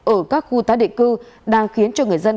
ở các khu tái định cư đang khiến cho người dân